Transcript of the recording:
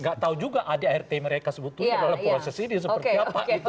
nggak tahu juga adik rt mereka sebetulnya dalam proses ini seperti apa gitu